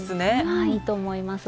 ああいいと思います。